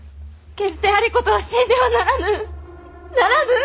決して有功は死んではならぬならぬ！